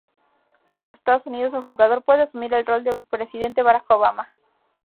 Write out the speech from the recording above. En los Estados Unidos, el jugador puede asumir el rol del presidente Barack Obama.